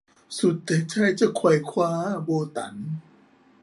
สุดแต่ใจจะไขว่คว้า - โบตั๋น